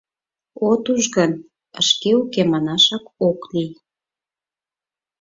— От уж гын, эше уке манашак ок лий.